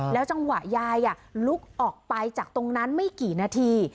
จังหวะยายลุกออกไปจากตรงนั้นไม่กี่นาที